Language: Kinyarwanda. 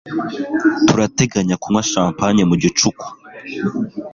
Turateganya kunywa champagne mu gicuku.